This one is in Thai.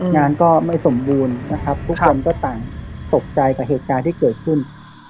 งานก็ไม่สมบูรณ์นะครับทุกคนก็ต่างตกใจกับเหตุการณ์ที่เกิดขึ้น